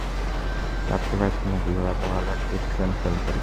ভাবতেই পারছি না - কীভাবে এত ভালো একটা স্টুডেন্ট ফেল করলো।